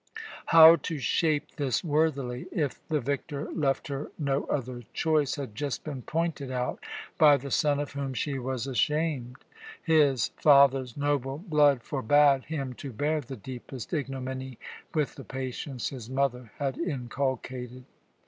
How to shape this worthily, if the victor left her no other choice, had just been pointed out by the son of whom she was ashamed. His father's noble blood forbade him to bear the deepest ignominy with the patience his mother had inculcated.